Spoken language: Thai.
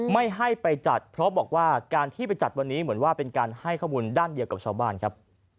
ไม่ให้ไปจัดเพราะบอกว่าการที่ไปจัดวันนี้เหมือนว่าเป็นการให้ข้อมูลด้านเดียวกับชาวบ้านครับ